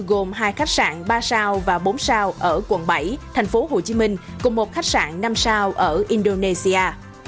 một danh mục đầu tư gồm hai khách sạn ba sao và bốn sao ở quận bảy thành phố hồ chí minh cùng một khách sạn năm sao ở indonesia